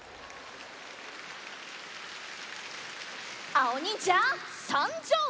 あおにんじゃさんじょう！